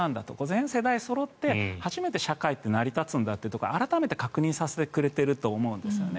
全世代そろって初めて社会って成り立つんだということを改めて確認させてくれていると思うんですね。